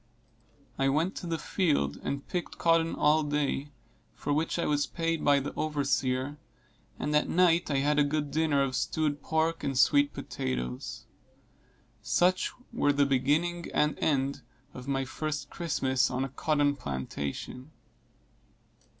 I went to the field and picked cotton all day, for which I was paid by the overseer, and at night I had a good dinner of stewed pork and sweet potatoes. Such were the beginning and end of my first Christmas on a cotton plantation.